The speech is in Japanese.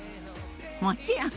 もちろん！